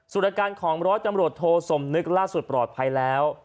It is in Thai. ส่วนอาการของร้อยตำรวจโทสมนึกล่าสุดปลอดภัยแล้ว